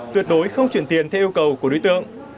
tuyệt đối không chuyển tiền theo yêu cầu của đối tượng